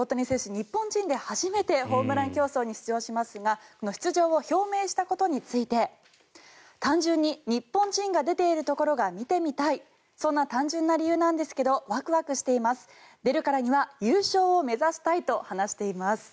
日本人で初めてホームラン競争に出場しますがその出場を表明したことについて単純に日本人が出ているところが見てみたいそんな単純な理由なんですけどワクワクしています出るからには優勝を目指したいと話しています。